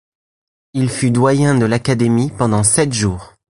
Il fut doyen de l'Académie pendant sept jours.